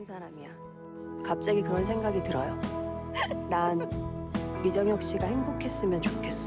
salah satu artis yang menarik adalah yoon bin